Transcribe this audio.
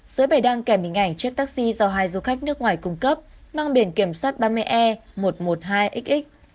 giới bày đăng kèm hình ảnh chiếc taxi do hai du khách nước ngoài cung cấp mang biển kiểm soát ba mươi e một trăm một mươi hai xx